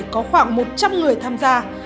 có khoảng một trăm linh người tham gia